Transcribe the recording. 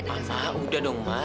mama udah dong ma